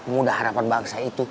muda harapan bangsa itu